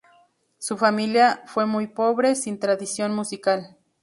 Su familia fue muy pobre, sin tradición musical.